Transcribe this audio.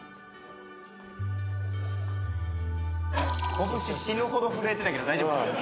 拳死ぬほど震えてたけど大丈夫かな？